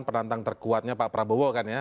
penantang terkuatnya pak prabowo kan ya